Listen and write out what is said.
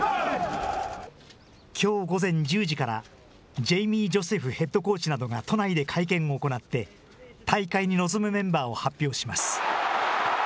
きょう午前１０時からジェイミー・ジョセフヘッドコーチなどが都内で会見を行って大会に臨むメンバーを発表します。